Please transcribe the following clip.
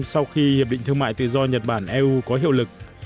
sau khi hiệp định thương mại tự do nhật bản eu có hiệu lực